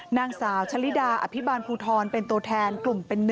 นางสาวชะลิดาอภิบาลภูทรเป็นตัวแทนกลุ่มเป็น๑